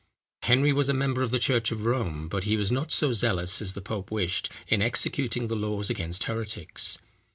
Henry was a member of the church of Rome; but he was not so zealous as the pope wished, in executing the laws against heretics.